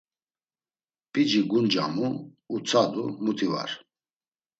P̌ici guncamu, utsadu; muti var!